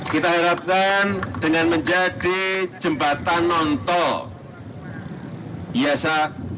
kita harapkan dengan menjadi jembatan non tol biasa